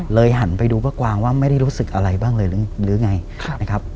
หันไปดูป้ากวางว่าไม่ได้รู้สึกอะไรบ้างเลยหรือไงนะครับ